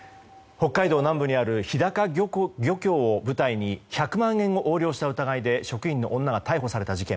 北海道南部にあるひだか漁協を舞台に１００万円を横領した疑いで職員の女が逮捕された事件。